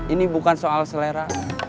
ini bukan soal selera